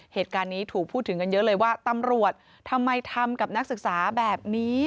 เหตุการณ์นี้ถูกพูดถึงกันเยอะเลยว่าตำรวจทำไมทำกับนักศึกษาแบบนี้